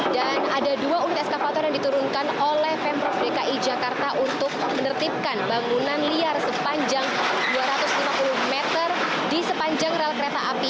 dan ada dua unit eskavator yang diturunkan oleh pemprov dki jakarta untuk menertibkan bangunan liar sepanjang dua ratus lima puluh meter di sepanjang rel kereta api